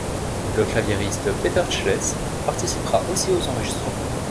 Le claviériste Peter Schless participera aussi aux enregistrements.